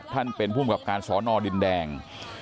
ท่านเป็นภูมิกับการสอนอดินแดง